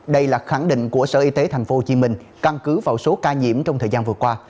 đây là khẳng định của sở y tế tp hcm căn cứ vào số ca nhiễm trong thời gian vừa qua